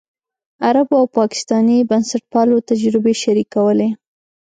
عربو او پاکستاني بنسټپالو تجربې شریکولې.